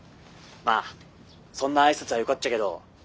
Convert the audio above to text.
まあそんな挨拶はよかっちゃけど。